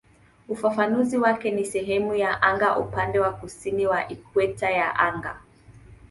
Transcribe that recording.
Ufafanuzi wake ni "sehemu ya anga upande wa kusini wa ikweta ya anga".